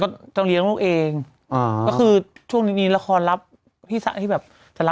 จะเลี้ยงลูกเองอ่าก็คือช่วงนี้มีละครรับที่แบบจะรับ